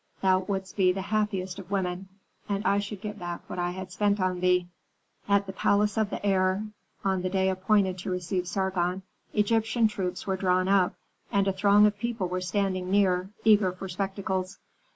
Thou wouldst be the happiest of women, and I should get back what I had spent on thee." At the palace of the heir, on the day appointed to receive Sargon, Egyptian troops were drawn up, and a throng of people were standing near, eager for spectacles.